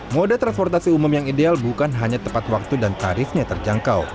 moda transportasi umum yang ideal bukan hanya tepat waktu dan tarifnya terjangkau